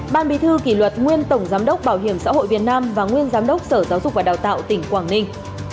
ban bí thư kỷ luật nguyên tổng giám đốc bảo hiểm xã hội việt nam và nguyên giám đốc sở giáo dục và đào tạo tỉnh quảng ninh